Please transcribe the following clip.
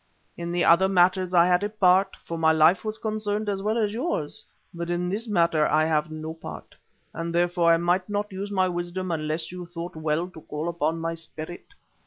In the other matters I had a part, for my life was concerned as well as yours; but in this matter I have no part, and therefore I might not use my wisdom unless you thought well to call upon my Spirit.